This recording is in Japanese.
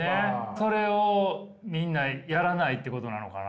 それをみんなやらないってことなのかな？